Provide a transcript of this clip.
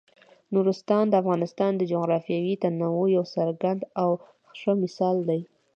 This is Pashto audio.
نورستان د افغانستان د جغرافیوي تنوع یو څرګند او ښه مثال دی.